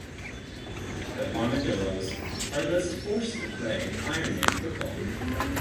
The Armadillos are thus forced to play ironman football.